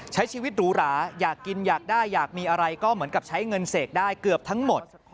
ใช้ชีวิตหรูหราอยากกินอยากได้อยากมีอะไรก็เหมือนกับใช้เงินเสกได้เกือบทั้งหมด